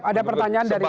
ada pertanyaan dari lasida